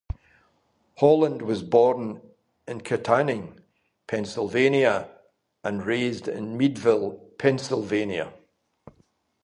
Holland was born in Kittanning, Pennsylvania and raised in Meadville, Pennsylvania.